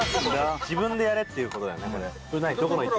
自分でやれっていうことだよねこれ。